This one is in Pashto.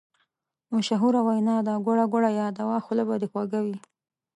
مشهوره وینا ده: ګوړه ګوړه یاده وه خوله به دې خوږه وي.